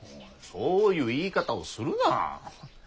そういう言い方をするな。